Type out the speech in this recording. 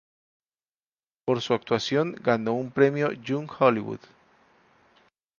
Por su actuación, ganó un premio Young Hollywood.